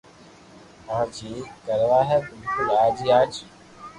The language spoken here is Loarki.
اج ھي ڪروا ھي بلڪل آج ھي آج